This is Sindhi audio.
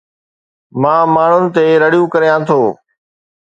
مان ماڻهن تي رڙيون ڪريان ٿو